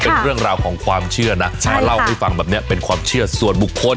เป็นเรื่องราวของความเชื่อนะมาเล่าให้ฟังแบบนี้เป็นความเชื่อส่วนบุคคล